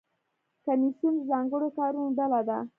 کمیسیون د ځانګړو کارونو ډله ده